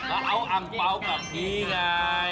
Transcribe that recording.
ซองค่ะ